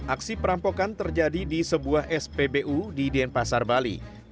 aksi perampokan terjadi di sebuah spbu di denpasar bali